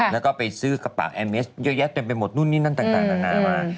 แล้วก็ไปซื้อกระเป๋าแอร์เมสเยอะแยะเต็มไปหมดนู่นนี่นั่นต่างนานามา